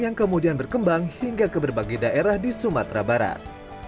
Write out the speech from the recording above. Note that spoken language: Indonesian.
yang kemudian berkembang hingga ke berbagai daerah di sumatera barat